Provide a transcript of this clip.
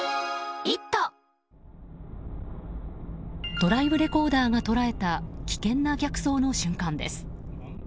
ドライブレコーダーが捉えた危険な逆走の瞬間です。